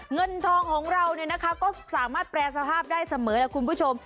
เงินทองของเราก็สามารถแปรสภาพได้เสมอแหละคุณผู้ชม